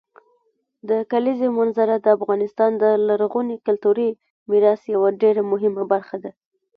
د کلیزو منظره د افغانستان د لرغوني کلتوري میراث یوه ډېره مهمه برخه ده.